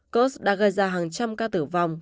curs đã gây ra hàng trăm ca tử vong